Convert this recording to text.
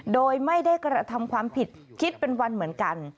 โดยไม่ได้กระทำความผิดคิดเป็นวันเหมือนกัน